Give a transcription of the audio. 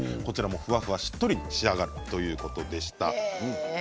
ふわふわしっとり仕上がるということです。